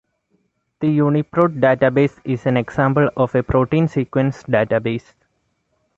The UniProt database is an example of a protein sequence database.